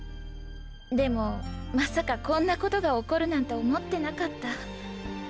でもまさかこんなことが起こるなんて思ってなかった。